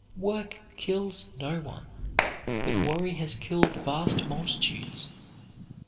Work kills no one, but worry has killed vast multitudes.